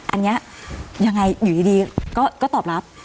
อันนี้ยังไงอยู่ดีก็ตอบรับ